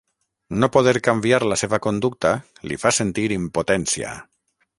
No poder canviar la seva conducta li fa sentir impotència.